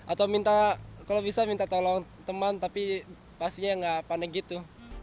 atau minta kalau bisa minta tolong teman tapi pastinya nggak panik gitu